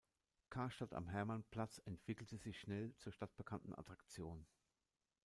Karstadt am Hermannplatz entwickelte sich schnell zur stadtbekannten Attraktion.